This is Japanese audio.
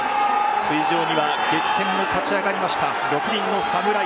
水上には激戦を勝ち上がりました６人の侍。